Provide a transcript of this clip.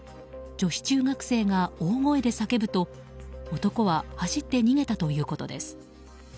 女子中学生が大声で叫ぶと男は走って逃げたということです。